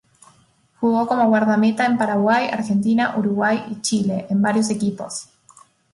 Jugó como guardameta en Paraguay, Argentina, Uruguay y Chile, en varios equipos.